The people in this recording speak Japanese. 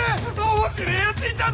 面白えやついたぞ！